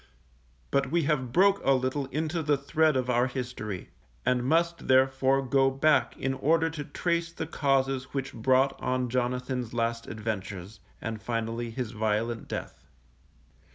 But we have broke a little into the thread of our history, and must therefore go back in order to trace the causes which brought on Jonathan's last adventures, and finally his violent death.